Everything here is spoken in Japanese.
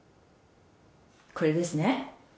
これですね。